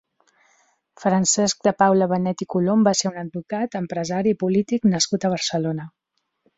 Francesc de Paula Benet i Colom va ser un advocat, empresari i polític nascut a Barcelona.